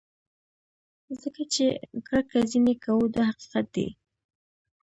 ځکه چې کرکه ځینې کوو دا حقیقت دی.